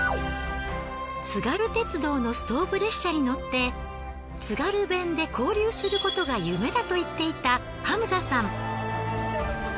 津軽鉄道のストーブ列車に乗って津軽弁で交流することが夢だと言っていたハムザさん。